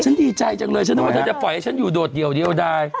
ดีใจจังเลยฉันนึกว่าเธอจะปล่อยให้ฉันอยู่โดดเดี่ยวได้